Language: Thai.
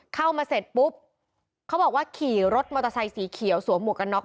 เข้ามาเสร็จปุ๊บเขาบอกว่าขี่รถมอเตอร์ไซสีเขียวสวมหวกกันน็อก